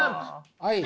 はい。